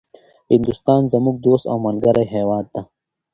هندوستان زموږ دوست او ملګری هيواد ده